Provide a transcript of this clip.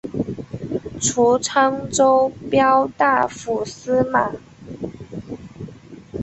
除沧州骠大府司马。